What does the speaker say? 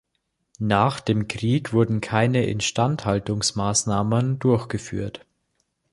Nach dem Krieg wurden keine Instandhaltungsmaßnahmen durchgeführt.